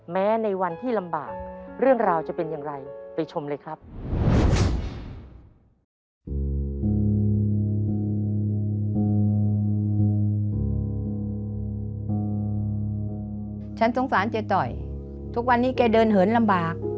ในวันที่ลำบากเรื่องราวจะเป็นอย่างไรไปชมเลยครับ